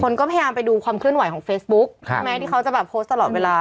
คนก็พยายามไปดูความเคลื่อนไหวของเฟซบุ๊คแม้ที่เขาจะแบบโพสต์ตลอดเวลา